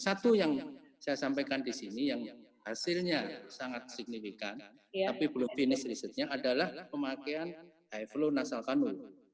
satu yang saya sampaikan di sini yang hasilnya sangat signifikan tapi belum finish risetnya adalah pemakaian hivlo nasalkanul